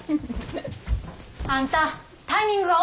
あんたタイミングが遅いねん！